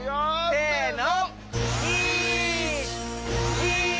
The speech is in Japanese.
せの。